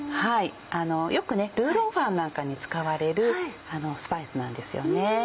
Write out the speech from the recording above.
よくね魯肉飯なんかに使われるスパイスなんですよね。